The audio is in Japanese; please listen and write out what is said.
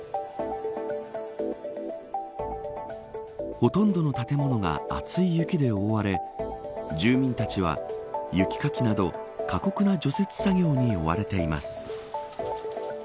ほとんどの建物が厚い雪で覆われ住民たちは、雪かきなど過酷な除雪作業に追われています。